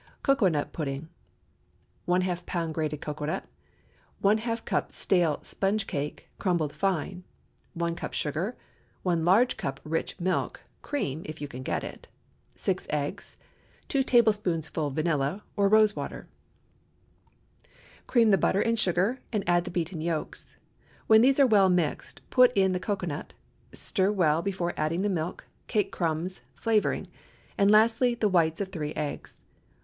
COCOANUT PUDDING. ½ lb. grated cocoanut. ½ cup stale sponge cake, crumbed fine. 1 cup sugar. 1 large cup rich milk—cream, if you can get it. 6 eggs. 2 teaspoonfuls vanilla, or rose water. Cream the butter and sugar, and add the beaten yolks. When these are well mixed, put in the cocoanut; stir well before adding the milk, cake crumbs, flavoring; and lastly, the whites of three eggs.